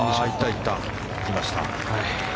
行きました。